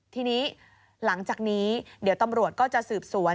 ทีนี้หลังจากนี้เดี๋ยวตำรวจก็จะสืบสวน